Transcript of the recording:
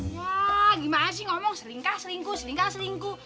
ya gimana sih ngomong selingkah selingkuh selingkah selingkuh